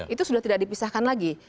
itu sudah tidak dipisahkan lagi